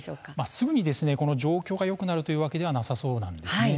すぐに状況がよくなるということではなさそうなんです。